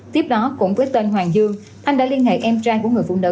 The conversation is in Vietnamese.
tiếp đó cũng với tên hoàng dương thanh đã liên hệ em trai của người phụ nữ